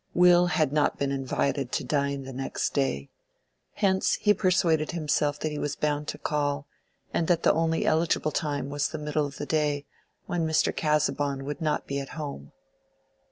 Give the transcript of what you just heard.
Will had not been invited to dine the next day. Hence he persuaded himself that he was bound to call, and that the only eligible time was the middle of the day, when Mr. Casaubon would not be at home.